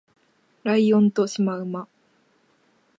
ライオンとシマウマ